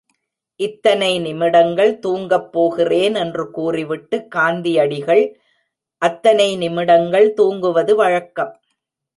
இத்தனை நிமிடங்கள் தூங்கப் போகிறேன் என்று கூறிவிட்டு காந்தியடிகள் அத்தனை நிமிடங்கள் தூங்குவ வழக்கம்.